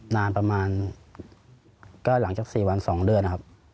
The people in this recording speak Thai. นานประมาณก็หลังจาก๔วัน๒เดือนนะครับ